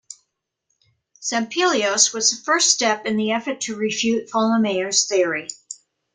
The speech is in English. Zampelios was the first step in the effort to refute Fallmerayer's theory.